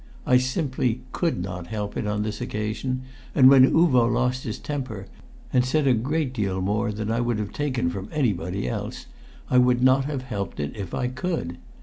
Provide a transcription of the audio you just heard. I simply could not help it, on this occasion; and when Uvo lost his temper, and said a great deal more than I would have taken from anybody else, I would not have helped it if I could.